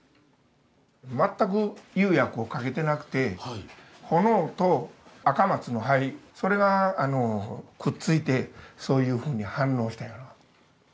全く釉薬をかけてなくて炎とアカマツの灰それがくっついてそういうふうに反応した。